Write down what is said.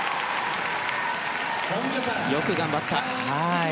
よく頑張った。